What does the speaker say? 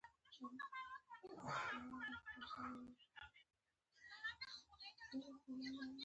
زموږ د ټولو پښتنو وينه سره شریکه ده.